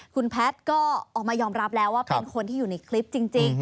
คุณแพทย์ก็ออกมายอมรับแล้วว่าเป็นคนที่อยู่ในคลิปจริง